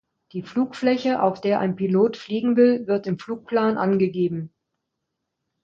Die Flugfläche, auf der ein Pilot fliegen will, wird im Flugplan angegeben.